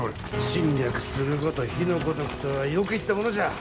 「侵略すること火の如く」とはよく言ったものじゃ。